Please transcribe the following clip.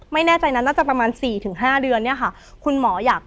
ไม่แน่ใจนะน่าจะประมาณ๔๕เดือนเนี่ยค่ะ